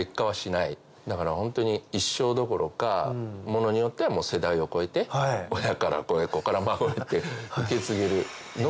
だからホントに一生どころかものによっては世代を超えて親から子へ子から孫へって。